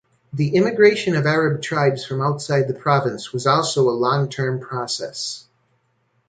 The immigration of Arab tribes from outside the province was also a long-term process.